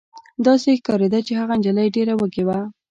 داسې ښکارېده چې هغه نجلۍ ډېره وږې وه